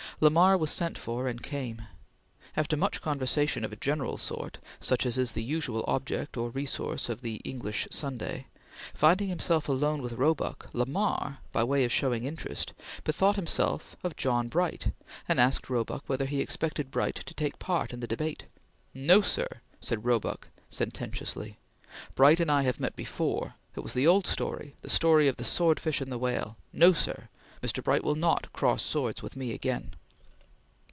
Lamar was sent for, and came. After much conversation of a general sort, such as is the usual object or resource of the English Sunday, finding himself alone with Roebuck, Lamar, by way of showing interest, bethought himself of John Bright and asked Roebuck whether he expected Bright to take part in the debate: "No, sir!" said Roebuck sententiously; "Bright and I have met before. It was the old story the story of the sword fish and the whale! NO, sir! Mr. Bright will not cross swords with me again!"